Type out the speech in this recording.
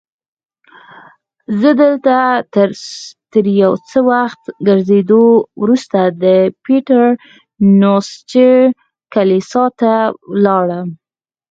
زه دلته تر یو څه وخت ګرځېدو وروسته د پیټر نوسټر کلیسا ته ولاړم.